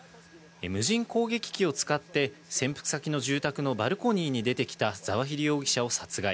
無人攻撃機を使って、潜伏先の住宅のバルコニーに出てきたザワヒリ容疑者を殺害。